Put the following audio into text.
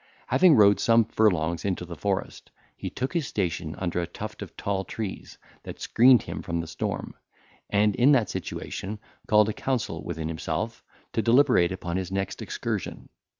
Having rode some furlongs into the forest, he took his station under a tuft of tall trees, that screened him from the storm, and in that situation called a council within himself, to deliberate upon his next excursion.